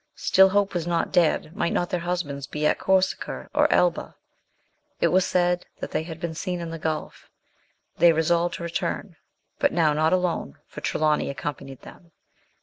Still hope was not dead ; might not their husbands be at Corsica or Elba ? It was said they had been seen in the Gulf. They resolved to return ; but now not alone, for Tre lawny accompanied them.